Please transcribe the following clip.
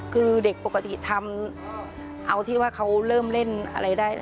คือเด็กปกติทำเอาที่ว่าเขาเริ่มเล่นอะไรได้